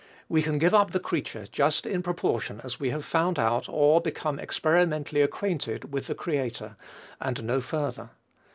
We can give up the creature, just in proportion as we have found out, or become experimentally acquainted with the Creator, and no further.